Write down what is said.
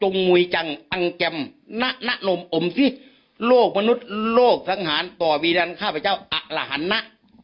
น่ะน่ะโน้มอมสิโลกมนุษย์โลกสังหารต่อวีรันต์ข้าพเจ้าอรหันต์นะ